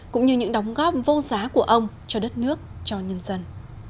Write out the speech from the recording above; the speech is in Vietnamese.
cũng như những đóng góp vô giá của ông cho đất nước cho nhân dân